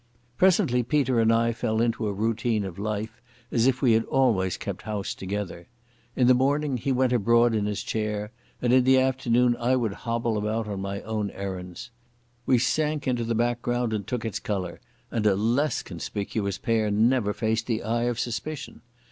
Presently Peter and I fell into a routine of life, as if we had always kept house together. In the morning he went abroad in his chair, in the afternoon I would hobble about on my own errands. We sank into the background and took its colour, and a less conspicuous pair never faced the eye of suspicion.